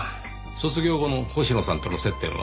卒業後の星野さんとの接点は？